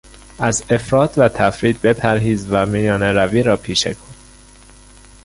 از افراط و تفریط بپرهیز و میانه روی را پیشه کن.